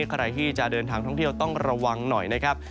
ใครที่จะเดินทางท่องเที่ยวต้องระวังหน่อยนะครับ